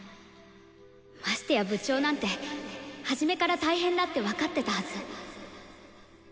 ましてや「部長」なんてはじめから大変だって分かってたはず。